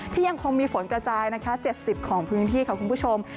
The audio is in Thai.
ยังคงมีฝนกระจายนะคะ๗๐ของพื้นที่ค่ะคุณผู้ชม